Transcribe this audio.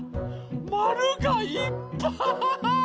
まるがいっぱい。